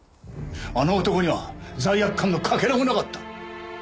あの男には罪悪感のかけらもなかった。